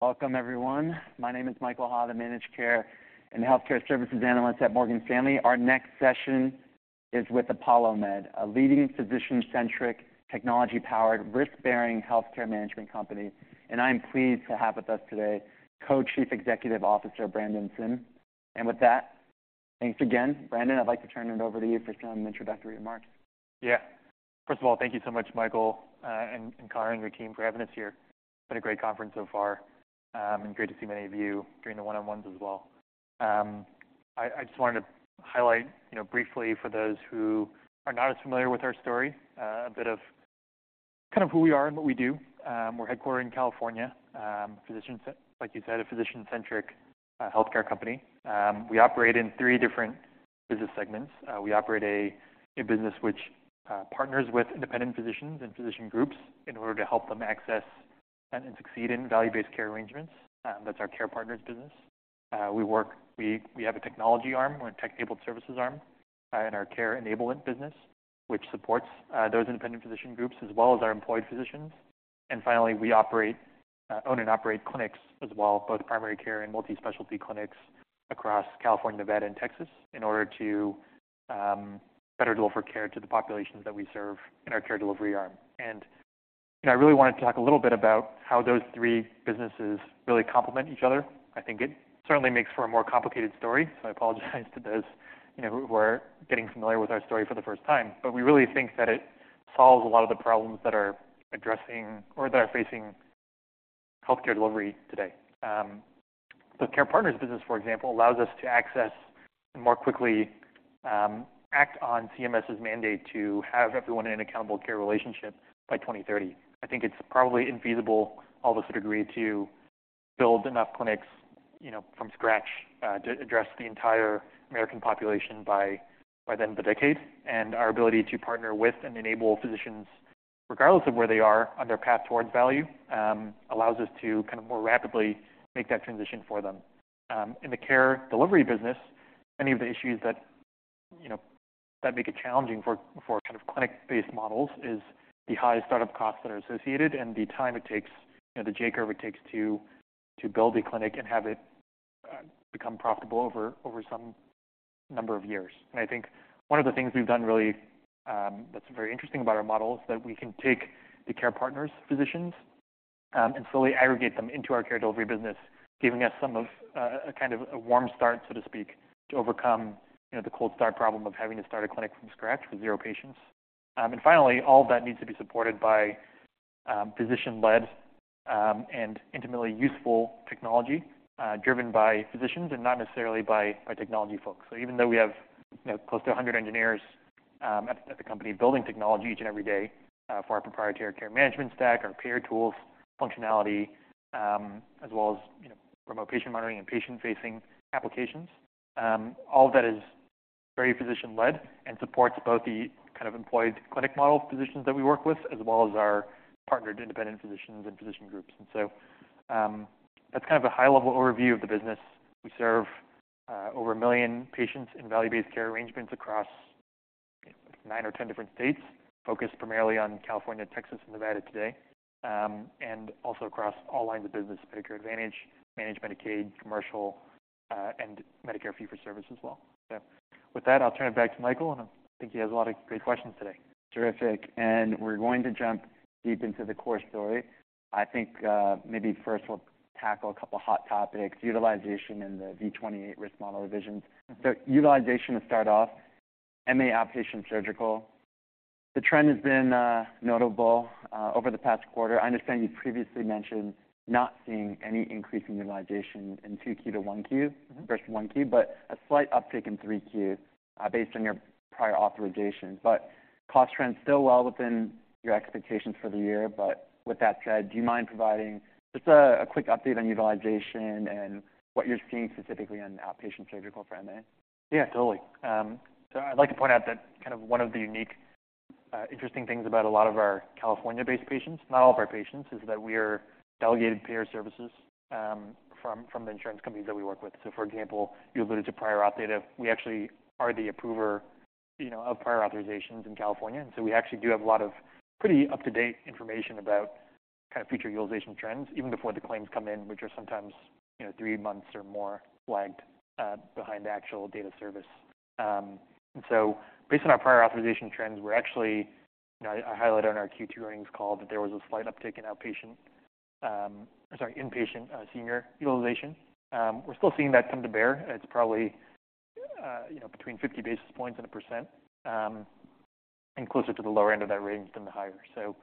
Welcome, everyone. My name is Michael Ha, the Managed Care and Healthcare Services Analyst at Morgan Stanley. Our next session is with ApolloMed, a leading physician-centric, technology-powered, risk-bearing healthcare management company. I'm pleased to have with us today Co-Chief Executive Officer, Brandon Sim. With that, thanks again. Brandon, I'd like to turn it over to you for some introductory remarks. Yeah. First of all, thank you so much, Michael, and Connor and your team for having us here. It's been a great conference so far, and great to see many of you during the one-on-ones as well. I just wanted to highlight, you know, briefly for those who are not as familiar with our story, a bit of kind of who we are and what we do. We're headquartered in California. Like you said, a physician-centric healthcare company. We operate in three different business segments. We operate a business which partners with independent physicians and physician groups in order to help them access and succeed in value-based Medicare arrangements. That's our Care Partners business. We have a technology arm, or a tech-enabled services arm, in our Care Enablement business, which supports those independent physician groups as well as our employed physicians. And finally, we own and operate clinics as well, both primary care and multi-specialty clinics across California, Nevada, and Texas, in order to better deliver care to the populations that we serve in our care delivery arm. And, you know, I really wanted to talk a little bit about how those three businesses really complement each other. I think it certainly makes for a more complicated story, so I apologize to those, you know, who are getting familiar with our story for the first time. But we really think that it solves a lot of the problems that are addressing or that are facing healthcare delivery today. The Care Partners business, for example, allows us to access and more quickly act on CMS's mandate to have everyone in an accountable care relationship by 2030. I think it's probably infeasible, all of us agree, to build enough clinics, you know, from scratch, to address the entire American population by the end of the decade. And our ability to partner with and enable physicians, regardless of where they are on their path towards value, allows us to kind of more rapidly make that transition for them. In the Care Delivery business, many of the issues that, you know, that make it challenging for kind of clinic-based models is the high startup costs that are associated and the time it takes, you know, the J-Curve it takes to build a clinic and have it become profitable over some number of years. And I think one of the things we've done really that's very interesting about our model is that we can take the Care Partners physicians and slowly aggregate them into our Care Delivery business, giving us some of a kind of a warm start, so to speak, to overcome, you know, the cold start problem of having to start a clinic from scratch with zero patients. And finally, all of that needs to be supported by physician-led and intimately useful technology, driven by physicians and not necessarily by, by technology folks. So even though we have, you know, close to 100 engineers at, at the company building technology each and every day for our proprietary care management stack, our payer tools functionality, as well as, you know, remote patient monitoring and patient-facing applications, all of that is very physician-led and supports both the kind of employed clinic model physicians that we work with, as well as our partnered independent physicians and physician groups. And so, that's kind of a high-level overview of the business. We serve over a million patients in value-based care arrangements across nine or 10 different states, focused primarily on California, Texas, and Nevada today, and also across all lines of business, Medicare Advantage, Managed Medicaid, Commercial, and Medicare fee-for-service as well. So with that, I'll turn it back to Michael, and I think he has a lot of great questions today. Terrific. And we're going to jump deep into the core story. I think, maybe first we'll tackle a couple hot topics, utilization and the V28 risk model revisions. So utilization to start off, MA outpatient surgical, the trend has been, notable, over the past quarter. I understand you previously mentioned not seeing any increase in utilization in 2Q to 1Q- Mm-hmm. Versus 1Q, but a slight uptick in 3Q, based on your prior authorization. But cost trends still well within your expectations for the year. But with that said, do you mind providing just a quick update on utilization and what you're seeing specifically on the outpatient surgical front end? Yeah, totally. So I'd like to point out that kind of one of the unique, interesting things about a lot of our California-based patients, not all of our patients, is that we are delegated payer services, from the insurance companies that we work with. So, for example, you alluded to prior auth data. We actually are the approver, you know, of prior authorizations in California, and so we actually do have a lot of pretty up-to-date information about kind of future utilization trends, even before the claims come in, which are sometimes, you know, three months or more lagged behind the actual date of service. And so based on our prior authorization trends, we're actually... You know, I highlighted on our Q2 earnings call that there was a slight uptick in outpatient, sorry, inpatient, senior utilization. We're still seeing that come to bear. It's probably, you know, between 50 basis points and 1%, and closer to the lower end of that range than the higher. So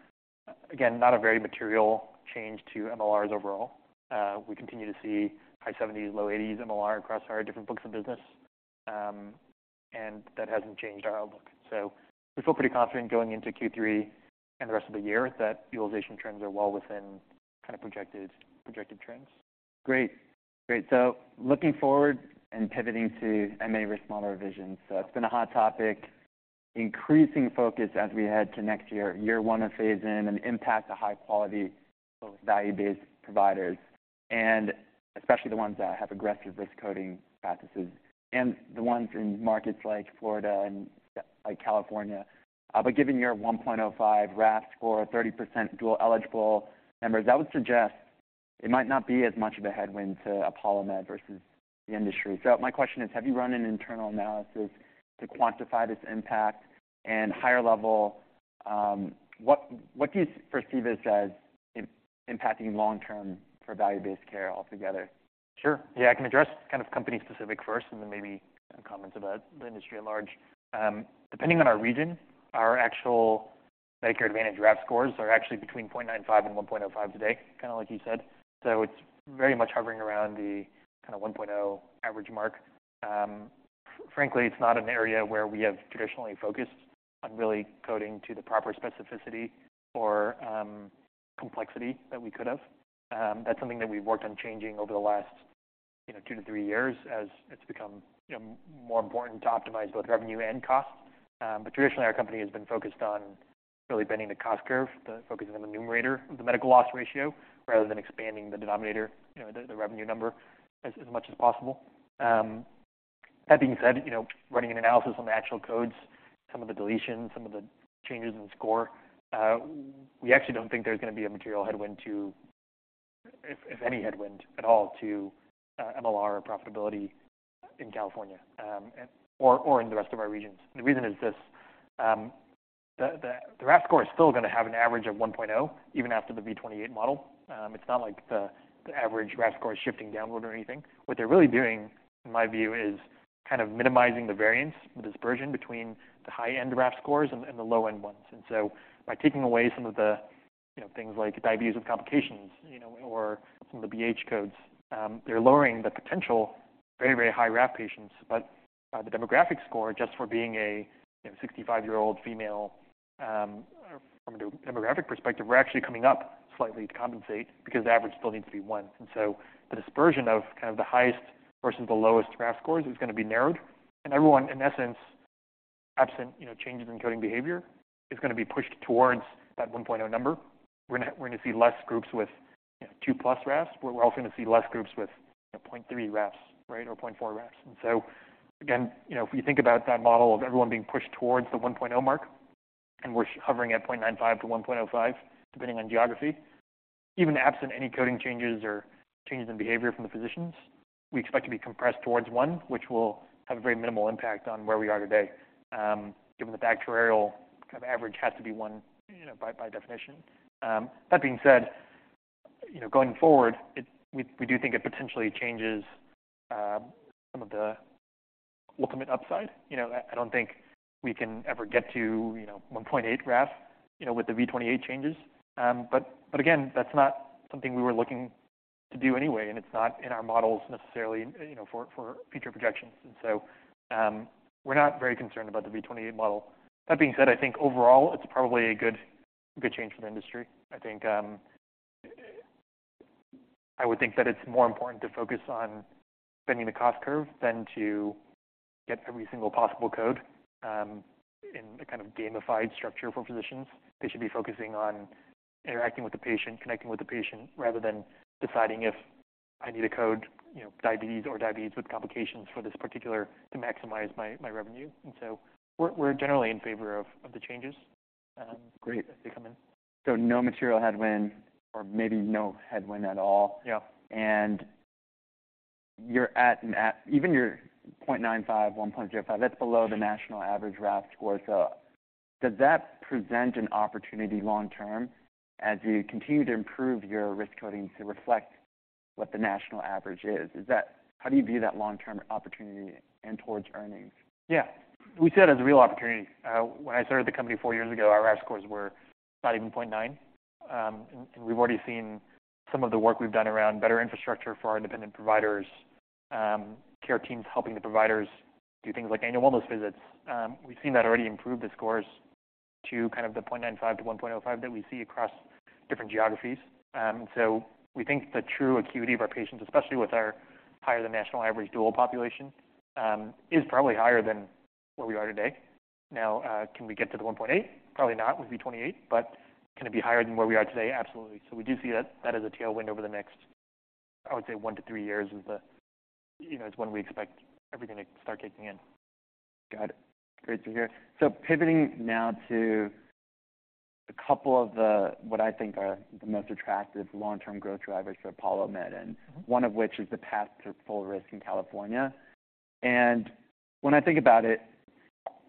again, not a very material change to MLRs overall. We continue to see high 70s, low 80s MLR across our different books of business, and that hasn't changed our outlook. So we feel pretty confident going into Q3 and the rest of the year that utilization trends are well within kind of projected trends. Great. Great. So looking forward and pivoting to MA risk model revisions. So it's been a hot topic, increasing focus as we head to next year, year one of phase in and impact to high quality value-based providers. And especially the ones that have aggressive risk coding practices and the ones in markets like Florida and, like, California. But given your 1.05 RAF or 30% Dual-Eligible members, that would suggest it might not be as much of a headwind to ApolloMed versus the industry. So my question is, have you run an internal analysis to quantify this impact? And higher level, what do you perceive this as impacting long-term for value-based care altogether? Sure. Yeah, I can address kind of company specific first, and then maybe comments about the industry at large. Depending on our region, our actual Medicare Advantage RAF scores are actually between 0.95 and 1.05 today, kind of like you said. So it's very much hovering around the kind of 1.0 average mark. Frankly, it's not an area where we have traditionally focused on really coding to the proper specificity or complexity that we could have. That's something that we've worked on changing over the last, you know, 2-3 years as it's become, you know, more important to optimize both revenue and cost. But traditionally, our company has been focused on really bending the cost curve, focusing on the numerator of the medical loss ratio, rather than expanding the denominator, you know, the revenue number as much as possible. That being said, you know, running an analysis on the actual codes, some of the deletions, some of the changes in score, we actually don't think there's going to be a material headwind to, if any headwind at all, to MLR profitability in California, and/or in the rest of our regions. The reason is this, the RAF score is still going to have an average of 1.0, even after the V28 model. It's not like the average RAF score is shifting downward or anything. What they're really doing, in my view, is kind of minimizing the variance, the dispersion between the high-end RAF scores and the low-end ones. And so by taking away some of the, you know, things like diabetes with complications, you know, or some of the BH codes, they're lowering the potential very, very high RAF patients. But the demographic score, just for being a, you know, 65-year-old female, from a demographic perspective, we're actually coming up slightly to compensate because the average still needs to be one. And so the dispersion of kind of the highest versus the lowest RAF scores is going to be narrowed, and everyone, in essence, absent, you know, changes in coding behavior, is going to be pushed towards that 1.0 number. We're gonna, we're gonna see less groups with, you know, 2+ RAFs, but we're also going to see less groups with, you know, 0.3 RAFs, right, or 0.4 RAFs. And so again, you know, if we think about that model of everyone being pushed towards the 1.0 mark, and we're hovering at 0.95-1.05, depending on geography, even absent any coding changes or changes in behavior from the physicians, we expect to be compressed towards onr, which will have a very minimal impact on where we are today, given the factorial kind of average has to be one, you know, by, by definition. That being said, you know, going forward, we, we do think it potentially changes some of the ultimate upside. You know, I don't think we can ever get to, you know, 1.8 RAF, you know, with the V28 changes. But again, that's not something we were looking to do anyway, and it's not in our models necessarily, you know, for future projections. And so, we're not very concerned about the V28 model. That being said, I think overall, it's probably a good, good change for the industry. I think I would think that it's more important to focus on bending the cost curve than to get every single possible code in a kind of gamified structure for physicians. They should be focusing on interacting with the patient, connecting with the patient, rather than deciding if I need to code, you know, diabetes or diabetes with complications for this particular... to maximize my revenue. And so we're generally in favor of the changes. Great. As they come in. So no material headwind or maybe no headwind at all? Yeah. You're at 0.95-1.05, that's below the national average RAF score. Does that present an opportunity long-term as you continue to improve your risk coding to reflect what the national average is? How do you view that long-term opportunity and towards earnings? Yeah. We see that as a real opportunity. When I started the company four years ago, our RAF scores were not even 0.9. And we've already seen some of the work we've done around better infrastructure for our independent providers, care teams helping the providers do things like annual wellness visits. We've seen that already improve the scores to kind of the 0.95-1.05 that we see across different geographies. So we think the true acuity of our patients, especially with our higher than national average dual population, is probably higher than where we are today. Now, can we get to the 1.8? Probably not with V28, but can it be higher than where we are today? Absolutely. So we do see that as a tailwind over the next, I would say, 1-3 years is the, you know, is when we expect everything to start kicking in. Got it. Great to hear. So pivoting now to a couple of the, what I think are the most attractive long-term growth drivers for ApolloMed, and one of which is the path to full risk in California. And when I think about it,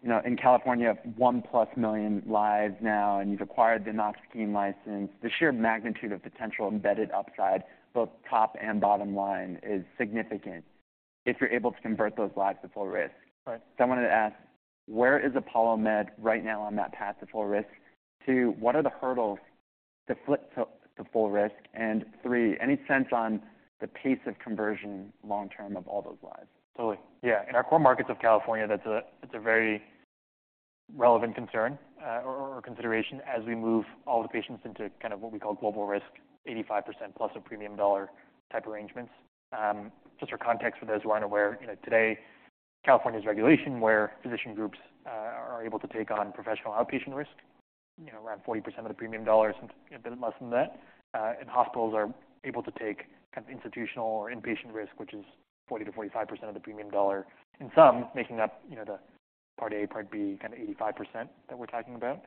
you know, in California, 1+ million lives now, and you've acquired the Knox-Keene license. The sheer magnitude of potential embedded upside, both top and bottom line, is significant if you're able to convert those lives to full risk. Right. So I wanted to ask, where is ApolloMed right now on that path to full risk? Two, what are the hurdles to flip to, to full risk? And three, any sense on the pace of conversion long term of all those lives? Totally. Yeah. In our core markets of California, that's, it's a very relevant concern or consideration as we move all the patients into kind of what we call global risk, 85% plus of a premium dollar type arrangements. Just for context, for those who aren't aware, you know, today, California's regulation, where physician groups are able to take on professional outpatient risk—you know, around 40% of the premium dollars and a bit less than that. And hospitals are able to take kind of institutional or inpatient risk, which is 40%-45% of the premium dollar, in sum making up, you know, the Part A, Part B, kind of 85% that we're talking about.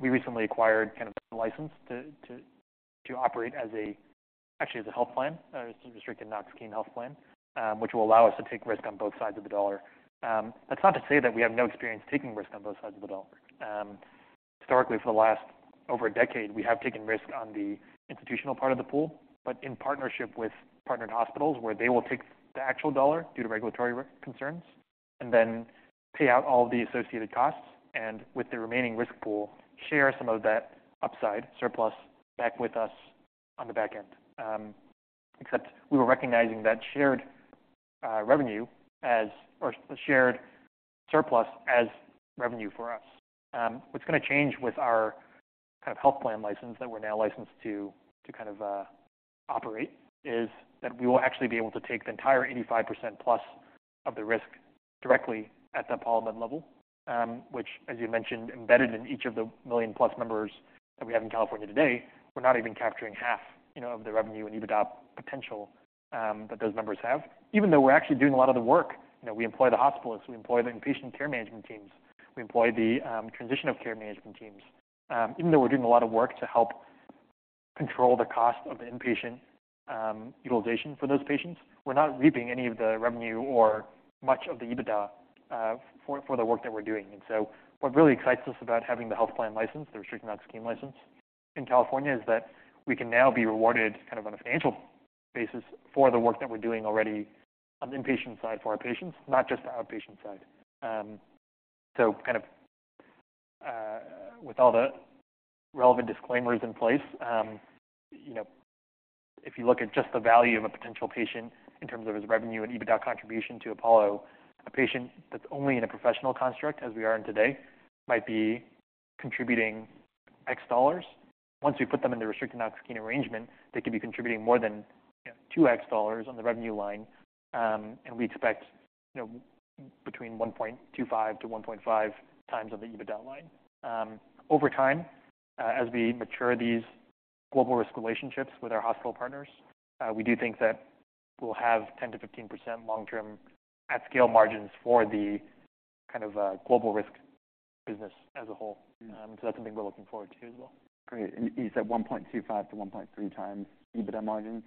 We recently acquired the license to operate as a actually as a health plan, or restricted Knox-Keene health plan, which will allow us to take risk on both sides of the dollar. That's not to say that we have no experience taking risk on both sides of the dollar. Historically, for the last over a decade, we have taken risk on the institutional part of the pool, but in partnership with partnered hospitals, where they will take the actual dollar due to regulatory risk concerns and then pay out all the associated costs and with the remaining risk pool, share some of that upside surplus back with us on the back end. Except we were recognizing that shared revenue as or shared surplus as revenue for us. What's gonna change with our kind of health plan license that we're now licensed to kind of operate is that we will actually be able to take the entire 85% plus of the risk directly at the Apollo level. Which, as you mentioned, embedded in each of the 1 million-plus members that we have in California today, we're not even capturing half, you know, of the revenue and EBITDA potential that those members have, even though we're actually doing a lot of the work. You know, we employ the hospitalists, we employ the inpatient care management teams, we employ the transition of care management teams. Even though we're doing a lot of work to help control the cost of the inpatient utilization for those patients, we're not reaping any of the revenue or much of the EBITDA for the work that we're doing. So what really excites us about having the health plan license, the restricted Knox-Keene license in California, is that we can now be rewarded kind of on a financial basis for the work that we're doing already on the inpatient side for our patients, not just the outpatient side. So kind of, with all the relevant disclaimers in place, you know, if you look at just the value of a potential patient in terms of his revenue and EBITDA contribution to Apollo, a patient that's only in a professional construct, as we are in today, might be contributing X dollars. Once we put them in the restricted Knox-Keene arrangement, they could be contributing more than, you know, 2x dollars on the revenue line. And we expect, you know, between 1.25-1.5 times on the EBITDA line. Over time, as we mature these global risk relationships with our hospital partners, we do think that we'll have 10%-15% long-term at-scale margins for the kind of global risk business as a whole. Mm-hmm. So, that's something we're looking forward to as well. Great. And you said 1.25-1.3x EBITDA margins?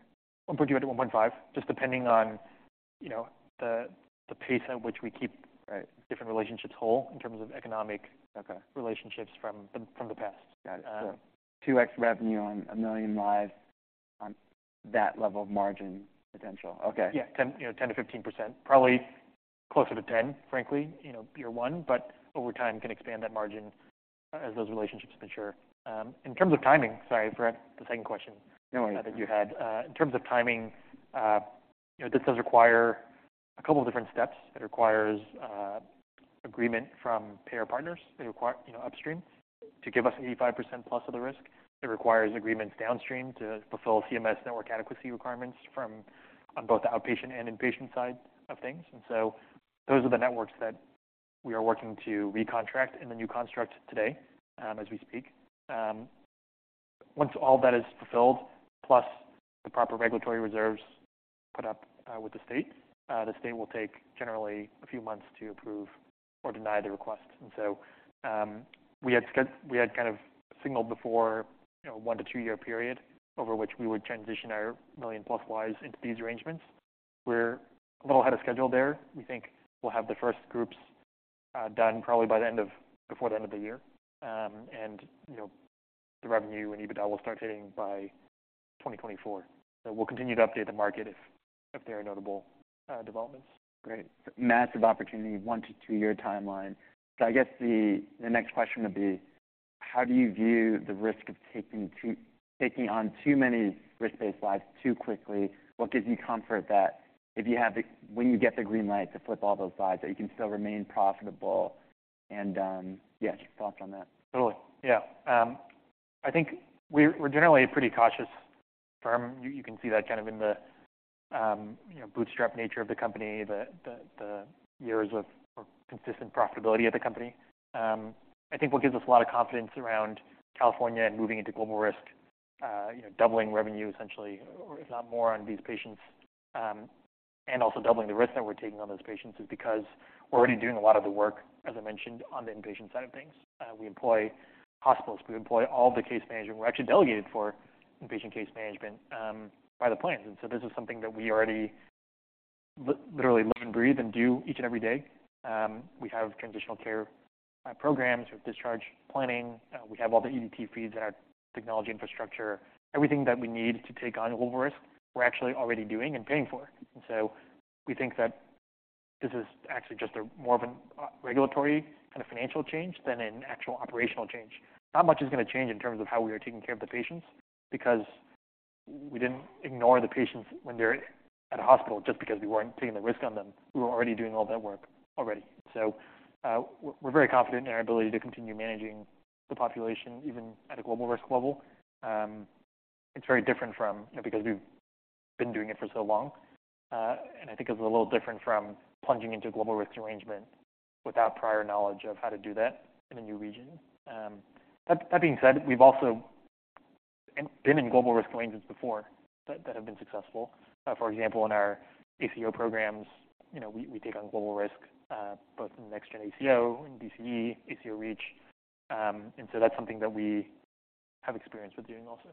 1.2-1.5, just depending on, you know, the pace at which we keep- Right... different relationships wholly in terms of economic- Okay -relationships from the past. Got it. So 2x revenue on 1 million lives on that level of margin potential. Okay. Yeah, 10%, you know, 10%-15%. Probably closer to 10%, frankly, you know, year one, but over time, can expand that margin as those relationships mature. In terms of timing - Sorry, I forgot the second question. No worries that you had. In terms of timing, you know, this does require a couple of different steps. It requires agreement from payer partners. It require, you know, upstream to give us 85% plus of the risk. It requires agreements downstream to fulfill CMS network adequacy requirements from on both the outpatient and inpatient side of things. And so those are the networks that we are working to recontract in the new construct today, as we speak. Once all that is fulfilled, plus the proper regulatory reserves put up, with the state, the state will take generally a few months to approve or deny the request. And so, we had kind of signaled before, you know, 1-2-year period over which we would transition our million-plus lives into these arrangements. We're a little ahead of schedule there. We think we'll have the first groups done probably before the end of the year. And, you know, the revenue and EBITDA will start hitting by 2024. So we'll continue to update the market if there are notable developments. Great. Massive opportunity, 1-2-year timeline. So I guess the next question would be: How do you view the risk of taking on too many risk-based lives too quickly? What gives you comfort that when you get the green light to flip all those lives, that you can still remain profitable? And, yeah, just your thoughts on that. Totally. Yeah. I think we're, we're generally a pretty cautious firm. You, you can see that kind of in the, you know, bootstrap nature of the company, the, the, the years of consistent profitability of the company. I think what gives us a lot of confidence around California and moving into global risk, you know, doubling revenue essentially, or if not more, on these patients, and also doubling the risk that we're taking on those patients, is because we're already doing a lot of the work, as I mentioned, on the inpatient side of things. We employ hospitals, we employ all the case management. We're actually delegated for inpatient case management by the plans. And so this is something that we already literally live and breathe and do each and every day. We have transitional care programs with discharge planning. We have all the EDT feeds in our technology infrastructure. Everything that we need to take on global risk, we're actually already doing and paying for. And so we think that this is actually just a more of an regulatory kind of financial change than an actual operational change. Not much is gonna change in terms of how we are taking care of the patients, because we didn't ignore the patients when they're at a hospital just because we weren't taking the risk on them. We were already doing all that work already. So, we're, we're very confident in our ability to continue managing the population, even at a global risk level. It's very different from... You know, because we've been doing it for so long. And I think it's a little different from plunging into global risk arrangement without prior knowledge of how to do that in a new region. That, that being said, we've also been in global risk arrangements before that, that have been successful. For example, in our ACO programs, you know, we, we take on global risk, both in the Next Gen ACO, in DCE, ACO REACH. And so that's something that we have experience with doing also.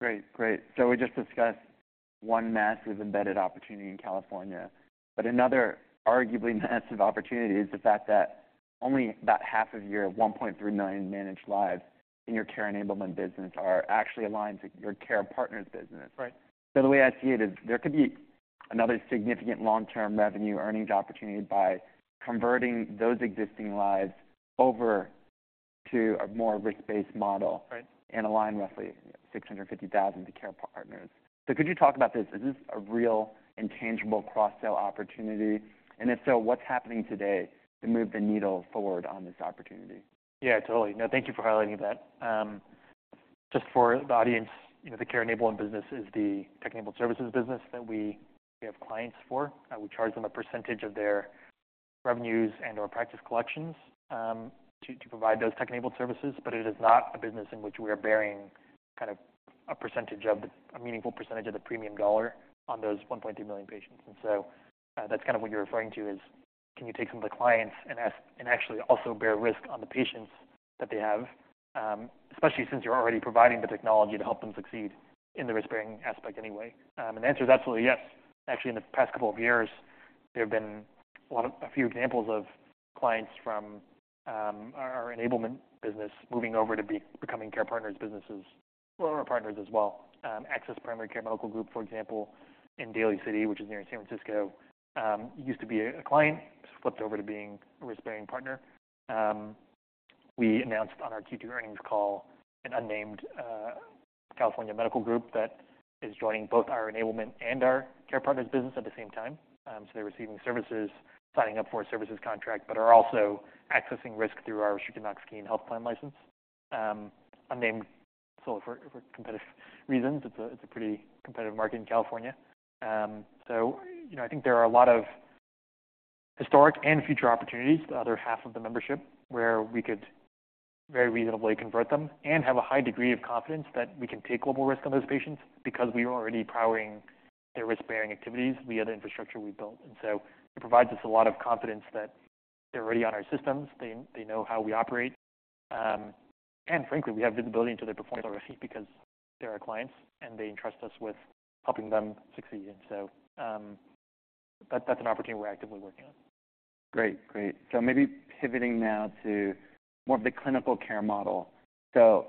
Great. Great. So we just discussed one massive embedded opportunity in California, but another arguably massive opportunity is the fact that only about half of your 1.3 million managed lives in your care enablement business are actually aligned to your Care Partners business. Right. The way I see it is there could be another significant long-term revenue earnings opportunity by converting those existing lives over to a more risk-based model- Right. align roughly 650,000 to Care Partners. Could you talk about this? Is this a real and tangible cross-sell opportunity? And if so, what's happening today to move the needle forward on this opportunity? Yeah, totally. No, thank you for highlighting that. Just for the audience, you know, the care enablement business is the tech-enabled services business that we have clients for. We charge them a percentage of their revenues and/or practice collections to provide those tech-enabled services. But it is not a business in which we are bearing kind of a percentage of a meaningful percentage of the premium dollar on those 1.3 million patients. And so, that's kind of what you're referring to is, can you take some of the clients and ask and actually also bear risk on the patients that they have, especially since you're already providing the technology to help them succeed in the risk-bearing aspect anyway? And the answer is absolutely yes. Actually, in the past couple of years, there have been a few examples of clients from our enablement business moving over to becoming care partners businesses, well, our partners as well. Access Primary Care Medical Group, for example, in Daly City, which is near San Francisco, used to be a client, flipped over to being a risk-bearing partner. We announced on our Q2 earnings call an unnamed California medical group that is joining both our enablement and our care partners business at the same time. So they're receiving services, signing up for a services contract, but are also accessing risk through our restricted Knox-Keene health plan license. Unnamed so for competitive reasons, it's a pretty competitive market in California. So, you know, I think there are a lot of historic and future opportunities, the other half of the membership, where we could very reasonably convert them and have a high degree of confidence that we can take global risk on those patients because we are already powering their risk-bearing activities via the infrastructure we built. And so it provides us a lot of confidence that they're already on our systems, they know how we operate, and frankly, we have visibility into their performance already because they're our clients, and they entrust us with helping them succeed. And so, that's an opportunity we're actively working on. Great. Great. So maybe pivoting now to more of the clinical care model. So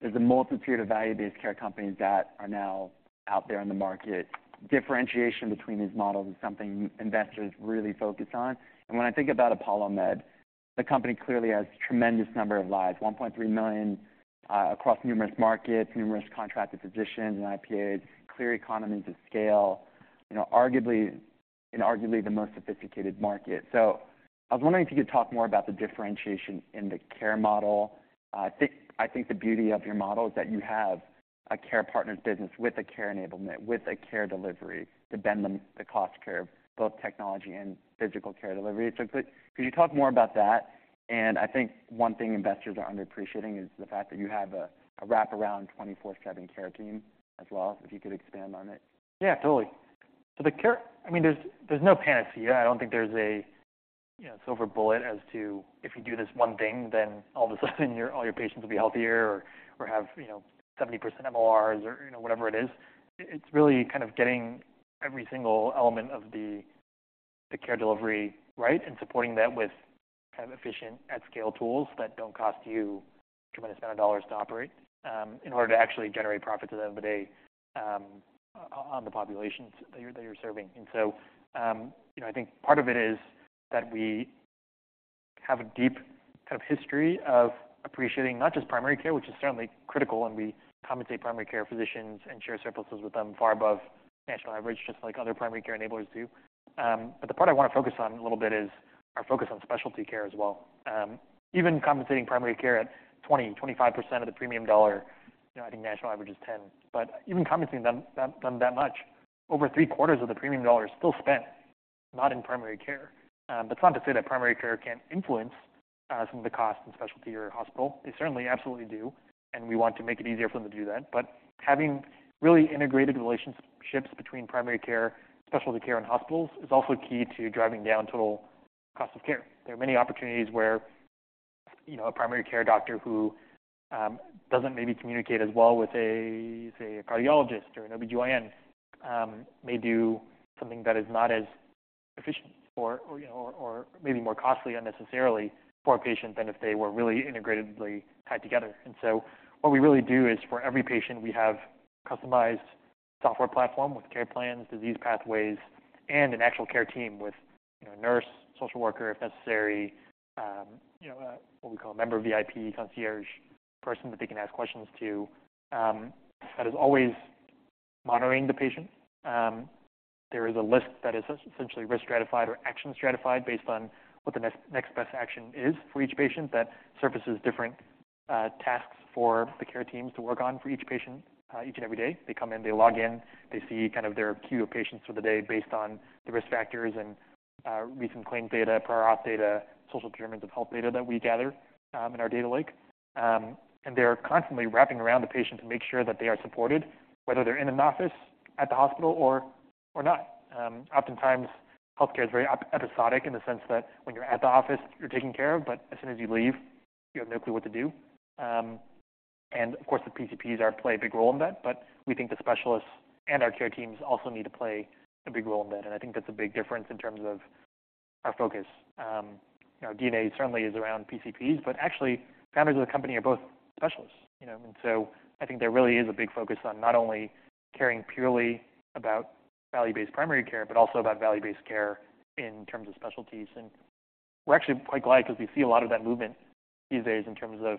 there's a multitude of value-based care companies that are now out there on the market. Differentiation between these models is something investors really focus on. And when I think about ApolloMed, the company clearly has tremendous number of lives, 1.3 million, across numerous markets, numerous contracted physicians and IPAs, clear economies of scale, you know, arguably in the most sophisticated market. So I was wondering if you could talk more about the differentiation in the care model. I think the beauty of your model is that you have a Care Partners business, with a care enablement, with a care delivery to bend the cost curve, both technology and physical care delivery. So could you talk more about that? I think one thing investors are underappreciating is the fact that you have a 24/7 care team as well, if you could expand on it. Yeah, totally. So the care... I mean, there's no panacea. I don't think there's a, you know, silver bullet as to if you do this one thing, then all of a sudden, your, all your patients will be healthier or, or have, you know, 70% MLRs or, you know, whatever it is. It's really kind of getting every single element of the, the care delivery right and supporting that with kind of efficient at-scale tools that don't cost you a tremendous amount of dollars to operate in order to actually generate profit to them, but on the populations that you're, that you're serving. And so, you know, I think part of it is that we have a deep kind of history of appreciating not just primary care, which is certainly critical, and we compensate primary care physicians and share surpluses with them far above national average, just like other primary care enablers do. But the part I want to focus on a little bit is our focus on specialty care as well. Even compensating primary care at 20-25% of the premium dollar, you know, I think national average is 10%, but even compensating them that much, over three-quarters of the premium dollar is still spent not in primary care. That's not to say that primary care can't influence some of the costs in specialty or hospital. They certainly absolutely do, and we want to make it easier for them to do that. But having really integrated relationships between primary care, specialty care, and hospitals is also key to driving down total cost of care. There are many opportunities where, you know, a primary care doctor who doesn't maybe communicate as well with a, say, a cardiologist or an OBGYN may do something that is not as efficient or, you know, maybe more costly unnecessarily for a patient than if they were really integratively tied together. What we really do is for every patient, we have customized software platform with care plans, disease pathways, and an actual care team with, you know, a nurse, social worker, if necessary, what we call a member VIP concierge person that they can ask questions to, that is always monitoring the patient. There is a list that is essentially risk stratified or action stratified based on what the next best action is for each patient. That surfaces different tasks for the care teams to work on for each patient, each and every day. They come in, they log in, they see kind of their queue of patients for the day based on the risk factors and recent claims data, prior auth data, social determinants of health data that we gather in our data lake. And they're constantly wrapping around the patient to make sure that they are supported, whether they're in an office, at the hospital, or not. Oftentimes, healthcare is very episodic in the sense that when you're at the office, you're taken care of, but as soon as you leave, you have no clue what to do. And of course, the PCPs play a big role in that, but we think the specialists and our care teams also need to play a big role in that, and I think that's a big difference in terms of our focus. You know, DNA certainly is around PCPs, but actually, founders of the company are both specialists, you know. And so I think there really is a big focus on not only caring purely about value-based primary care, but also about value-based care in terms of specialties. We're actually quite glad because we see a lot of that movement these days in terms of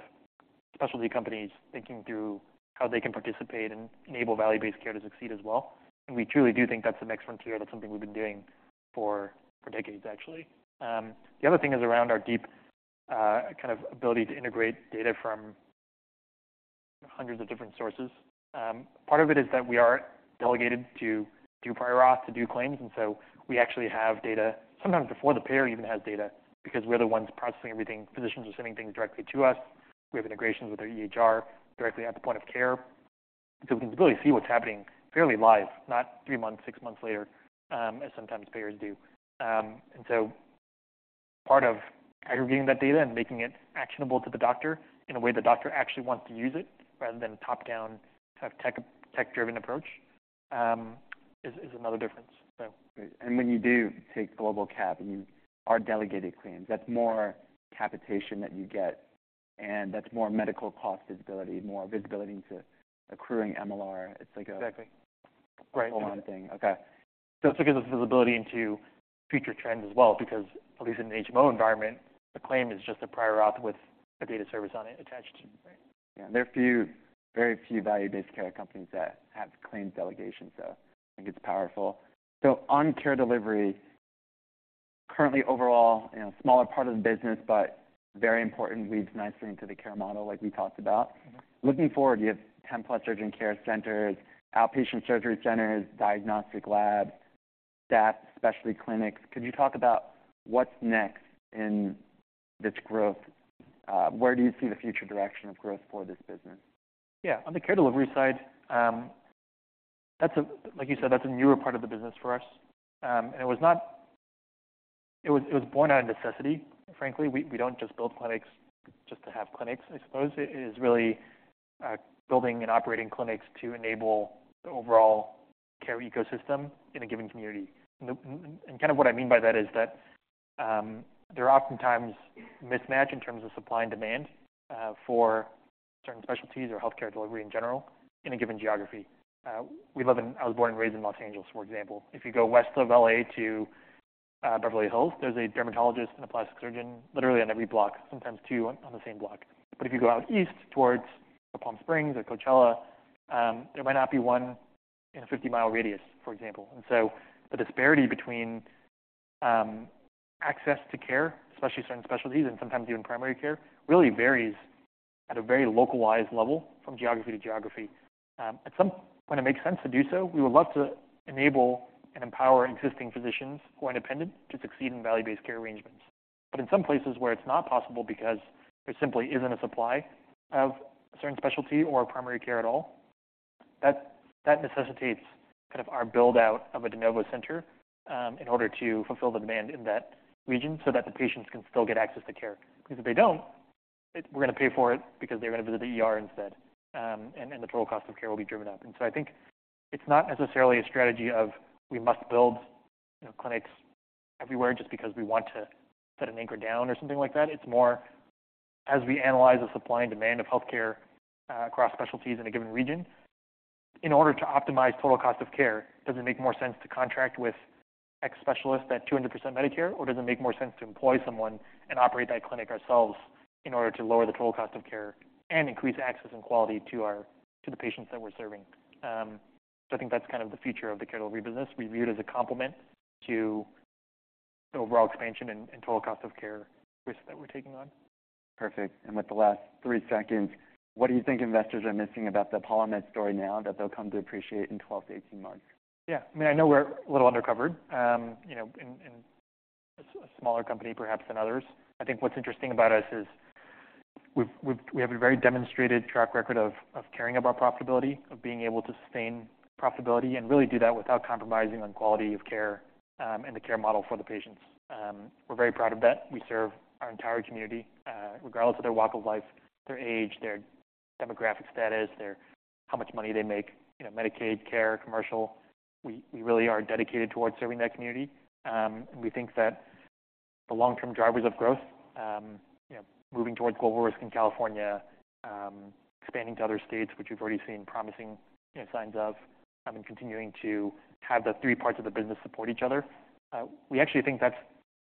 specialty companies thinking through how they can participate and enable value-based care to succeed as well. We truly do think that's the next frontier, that's something we've been doing for decades, actually. The other thing is around our deep kind of ability to integrate data from hundreds of different sources. Part of it is that we are delegated to do prior auth, to do claims, and so we actually have data sometimes before the payer even has data, because we're the ones processing everything. Physicians are sending things directly to us. We have integrations with our EHR directly at the point of care, so we can really see what's happening fairly live, not three months, six months later, as sometimes payers do. And so part of aggregating that data and making it actionable to the doctor in a way the doctor actually wants to use it, rather than a top-down, kind of tech-driven approach, is another difference, so. Great. When you do take Global Cap and you are delegated claims, that's more capitation that you get, and that's more medical cost visibility, more visibility into accruing MLR. It's like a- Exactly. Right. Full-on thing. Okay. So it gives us visibility into future trends as well, because at least in an HMO environment, the claim is just a prior auth with a data service on it attached to it. Right. Yeah, there are few, very few value-based care companies that have claims delegation, so I think it's powerful. So on care delivery, currently overall, you know, smaller part of the business, but very important, leads nicely into the care model like we talked about. Mm-hmm. Looking forward, you have 10+ urgent care centers, outpatient surgery centers, diagnostic labs, staff, specialty clinics. Could you talk about what's next in this growth? Where do you see the future direction of growth for this business? Yeah. On the care delivery side, that's a—like you said, that's a newer part of the business for us, and it was born out of necessity, frankly. We don't just build clinics just to have clinics. I suppose it is really building and operating clinics to enable the overall care ecosystem in a given community. And kind of what I mean by that is that there are oftentimes mismatch in terms of supply and demand for certain specialties or healthcare delivery in general, in a given geography. We live in, I was born and raised in Los Angeles, for example. If you go west of L.A. to Beverly Hills, there's a dermatologist and a plastic surgeon literally on every block, sometimes two on the same block. But if you go out east towards Palm Springs or Coachella, there might not be one in a 50-mile radius, for example. And so the disparity between, access to care, especially certain specialties and sometimes even primary care, really varies at a very localized level from geography to geography. At some point, it makes sense to do so. We would love to enable and empower existing physicians who are independent to succeed in value-based care arrangements. But in some places where it's not possible because there simply isn't a supply of a certain specialty or primary care at all, that necessitates kind of our build-out of a de novo center, in order to fulfill the demand in that region so that the patients can still get access to care. Because if they don't, we're gonna pay for it because they're gonna visit the ER instead, and the total cost of care will be driven up. And so I think it's not necessarily a strategy of we must build, you know, clinics everywhere just because we want to set an anchor down or something like that. It's more as we analyze the supply and demand of healthcare, across specialties in a given region, in order to optimize total cost of care, does it make more sense to contract with X specialists at 200% Medicare? Or does it make more sense to employ someone and operate that clinic ourselves in order to lower the total cost of care and increase access and quality to our-- to the patients that we're serving? So I think that's kind of the future of the care delivery business. We view it as a complement to the overall expansion and total cost of care risk that we're taking on. Perfect. And with the last three seconds, what do you think investors are missing about the ApolloMed story now that they'll come to appreciate in 12 to 18 months? Yeah. I mean, I know we're a little undercovered, you know, and a smaller company perhaps than others. I think what's interesting about us is we have a very demonstrated track record of caring about profitability, of being able to sustain profitability and really do that without compromising on quality of care, and the care model for the patients. We're very proud of that. We serve our entire community, regardless of their walk of life, their age, their demographic status, their how much money they make, you know, Medicaid, care, commercial. We really are dedicated towards serving that community. We think that the long-term drivers of growth, you know, moving towards global risk in California, expanding to other states, which we've already seen promising, you know, signs of, and continuing to have the three parts of the business support each other, we actually think that's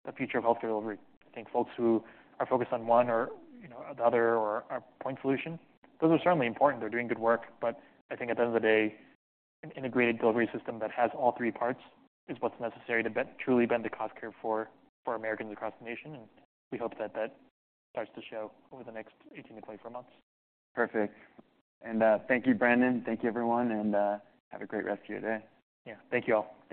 the future of healthcare delivery. I think folks who are focused on one or, you know, the other, or are point solution, those are certainly important, they're doing good work, but I think at the end of the day, an integrated delivery system that has all three parts is what's necessary to truly bend the cost curve for, for Americans across the nation, and we hope that that starts to show over the next 18-24 months. Perfect. Thank you, Brandon. Thank you, everyone, and have a great rest of your day. Yeah. Thank you all. Thank you.